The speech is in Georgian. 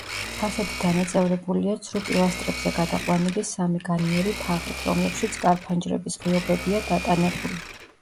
ფასადი დანაწევრებულია ცრუ პილასტრებზე გადაყვანილი სამი განიერი თაღით, რომლებშიც კარ-ფანჯრების ღიობებია დატანებული.